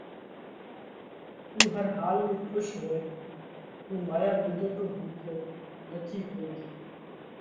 اُو هر حال ۾ کُش هوئه اُو مايا مِلڳت رو ڀُوکو نٿِي هوئِيتو۔